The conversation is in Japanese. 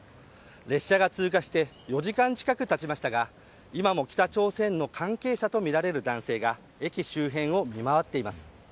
列車が通過して４時間近く経ちましたが今も北朝鮮の関係者とみられる男性が駅周辺を見回っています。